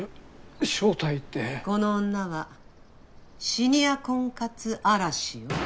この女はシニア婚活荒らしよ。